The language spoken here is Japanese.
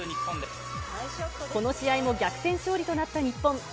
この試合も逆転勝利となった日本。